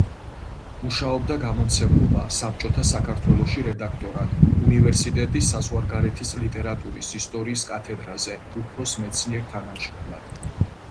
მუშაობდა გამომცემლობა „საბჭოთა საქართველოში“ რედაქტორად, უნივერსიტეტის საზღვარგარეთის ლიტერატურის ისტორიის კათედრაზე უფროს მეცნიერ-თანამშრომლად.